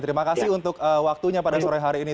terima kasih untuk waktunya pada sore hari ini